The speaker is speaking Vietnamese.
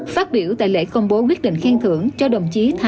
phát biểu tại lễ công bố quyết định khen thưởng cho đồng chí thái ngô hiếu